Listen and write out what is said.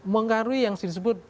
mengaruhi yang disebut